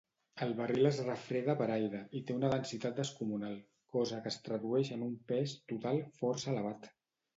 El barril es refreda per aire i té una densitat descomunal, cosa que es tradueix en un pes total força elevat.